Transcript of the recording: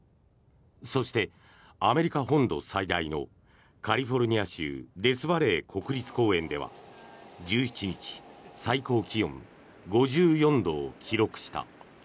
そして、アメリカ本土最大のカリフォルニア州デスバレー国立公園では１７日、最高気温５４度を記録した。